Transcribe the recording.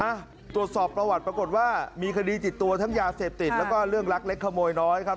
อ่ะตรวจสอบประวัติปรากฏว่ามีคดีติดตัวทั้งยาเสพติดแล้วก็เรื่องรักเล็กขโมยน้อยครับ